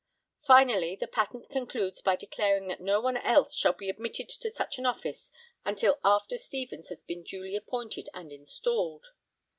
Finally the patent concludes by declaring that no one else shall be admitted to such an office until after Stevens has been duly appointed and installed.